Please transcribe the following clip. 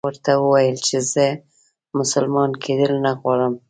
ما ورته وویل چې زه مسلمان کېدل نه غواړم.